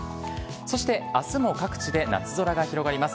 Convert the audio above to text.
そしてあすも各地で夏空が広がります。